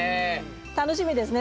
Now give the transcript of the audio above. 楽しみですね